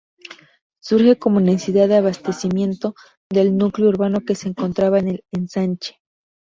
Surge como necesidad de abastecimiento del núcleo urbano que se encontraba en el ensanche.